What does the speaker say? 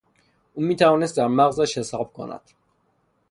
او میتوانست در مغزش حساب بکند.